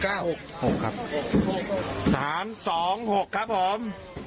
๖ครับ๓๒๖ครับผม